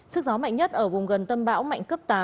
sức gió mạnh nhất ở vùng gần tâm bão mạnh cấp tám